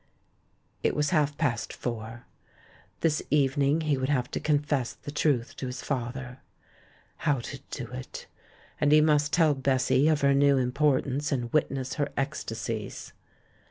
It was half past four. This evening he would have to confess the truth to his father. How to do it? And he must tell Bessy of her new im portance and witness her ecstasies.